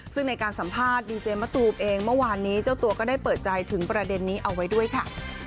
ซึ่งในการสัมภาษณ์ดีเจมะตูมเองเมื่อวานนี้เจ้าตัวก็ได้เปิดใจถึงประเด็นนี้เอาไว้ด้วยค่ะ